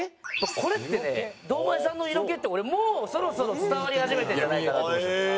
これってね堂前さんの色気って俺もうそろそろ伝わり始めてるんじゃないかなと思うんですよ。